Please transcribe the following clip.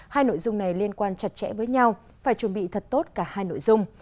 hai nội dung này liên quan chặt chẽ với nhau phải chuẩn bị thật tốt cả hai nội dung